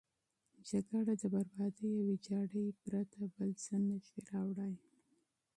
جګړه د بربادي او ویجاړي پرته بل څه نه شي راوړی.